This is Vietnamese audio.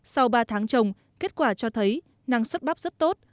sau ba tháng trồng kết quả cho thấy năng suất bắp rất tốt